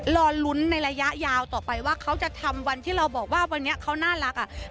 รอลุ้นในระยะยาวต่อไปว่าเขาจะทำวันที่เราบอกว่าวันนี้เขาน่ารักอ่ะ